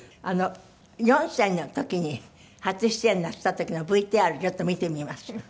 ４歳の時に初出演なすった時のＶＴＲちょっと見てみましょう。